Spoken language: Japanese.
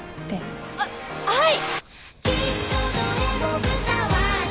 あっはい！